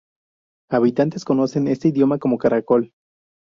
Los habitantes conocen este idioma como "Caracol".